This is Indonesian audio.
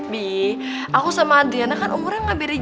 bi aku sama adriana kan umurnya gak beri jauh